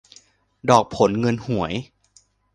ดอกผลเงินหวย